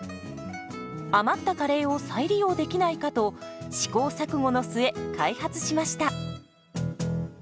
余ったカレーを再利用できないかと試行錯誤の末開発しました。